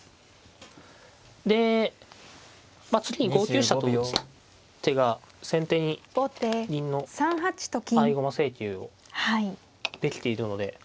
で次に５九飛車と打つ手が先手に銀の合駒請求をできているので。